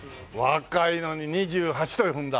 若いのに２８と踏んだ！